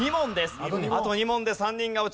あと２問で３人が落ちます。